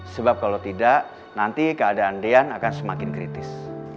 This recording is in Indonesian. sebab kalau tidak nanti keadaan dean akan semakin kritis